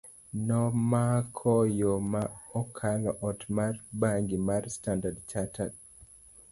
nomako yo ma okalo ot mar bangi mar Standard Chartered